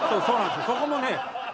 そこもね。